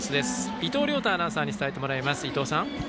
伊藤亮太アナウンサーに伝えてもらいます。